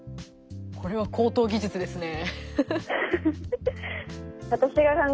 これは高等技術ですね。